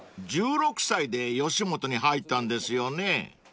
［１６歳で吉本に入ったんですよね］